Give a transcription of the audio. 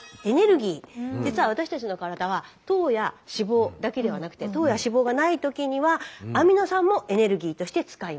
実は私たちの体は糖や脂肪だけではなくて糖や脂肪がないときにはアミノ酸もエネルギーとして使います。